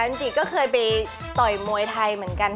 จิก็เคยไปต่อยมวยไทยเหมือนกัน